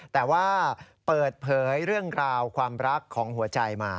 แต่ว่าเปิดเผยเรื่องราวความรักของหัวใจมา